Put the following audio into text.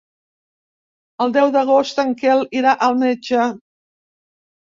El deu d'agost en Quel irà al metge.